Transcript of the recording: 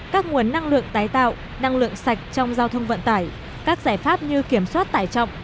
các nguồn năng lượng tái tạo năng lượng sạch trong giao thông vận tải các giải pháp như kiểm soát tải trọng